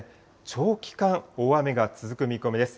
長期間、大雨が続く見込みです。